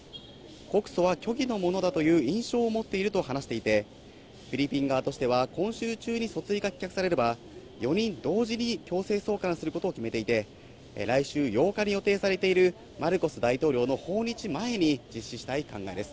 告訴は虚偽のものだという印象を持っていると話していて、フィリピン側としては今週中に訴追が棄却されれば、４人同時に強制送還することを決めていて、来週８日に予定されているマルコス大統領の訪日前に、実施したい考えです。